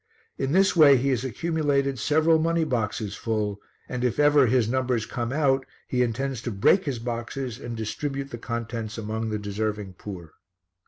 In this way he has accumulated several money boxes full, and if ever his numbers come out he intends to break his boxes and distribute the contents among the deserving poor.